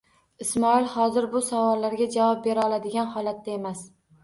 Ismoil hozir bu savollarga javob bera oladigan holatda emasdi.